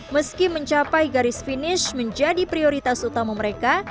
meski mencapai garis finish menjadi prioritas utama mereka